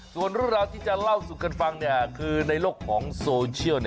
ส่วนจะเล่าสุขกันฟังในโลกของโซเชียล